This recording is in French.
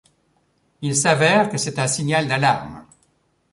Il s'avère que c'est un signal d'alarme.